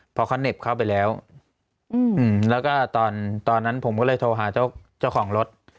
พอเขาเหน็บเข้าไปแล้วแล้วก็ตอนนั้นผมก็เลยโทรหาเจ้าของรถ